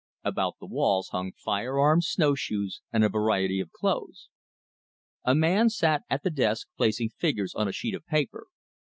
About the walls hung firearms, snowshoes, and a variety of clothes. A man sat at the desk placing figures on a sheet of paper.